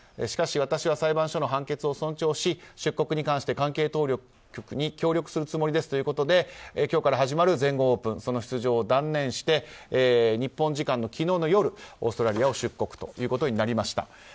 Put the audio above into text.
しかし私は裁判所の判決を尊重し出国に関して関係当局に協力するつもりですということで今日から始まる全豪オープンの出場を断念して日本時間の昨日の夜オーストラリアを出国ということになりました。